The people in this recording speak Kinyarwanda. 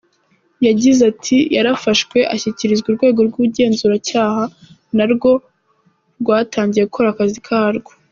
Yagize ati “Yarafashwe ashyikirizwa urwego rw’ubugenzacyaha, narwo rwatangiye gukora akazi karwo.”